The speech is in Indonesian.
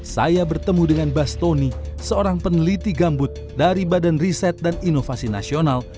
saya bertemu dengan bastoni seorang peneliti gambut dari badan riset dan inovasi nasional